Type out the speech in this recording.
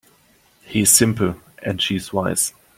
He's simple and she's wise.